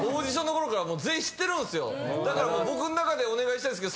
だから僕の中でお願いしたいんですけど。